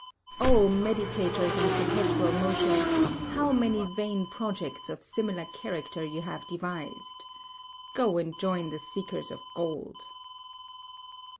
meditators on perpetual motion, how many vain projects of similar character you have devised! Go and join the seekers of gold.